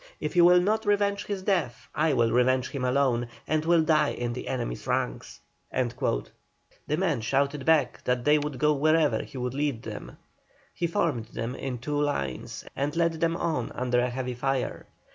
If you will not revenge his death I will revenge him alone, and will die in the enemy's ranks." The men shouted back that they would go wherever he would lead them. He formed them in two lines and led them on under a heavy fire.